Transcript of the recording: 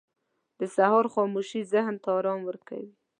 • د سهار خاموشي ذهن ته آرام ورکوي.